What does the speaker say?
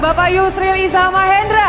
bapak yusril isa mahendra